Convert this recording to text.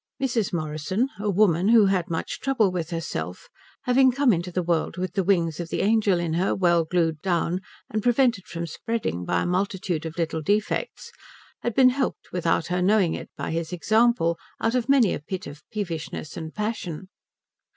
Mrs. Morrison, a woman who had much trouble with herself, having come into the world with the wings of the angel in her well glued down and prevented from spreading by a multitude of little defects, had been helped without her knowing it by his example out of many a pit of peevishness and passion.